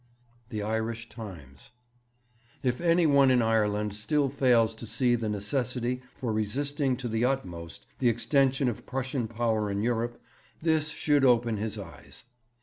The Irish Times. 'If any one in Ireland still fails to see the necessity for resisting to the utmost the extension of Prussian power in Europe, this should open his eyes.